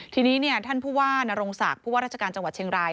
ทีนี้ท่านผู้ว่านรงศักดิ์ผู้ว่าราชการจังหวัดเชียงราย